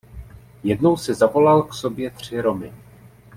Jednou si zavolal k sobě tři Romy.